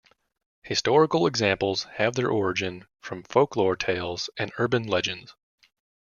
Historical examples have their origin from folklore tales and urban legends.